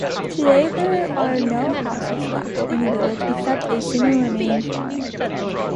Today there are no houses left in the village except a single remaining farm.